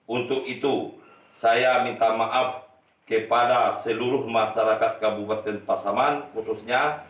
untuk itu saya minta maaf kepada seluruh masyarakat kabupaten pasaman khususnya